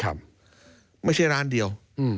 ไม่ใช่ร้านเดียว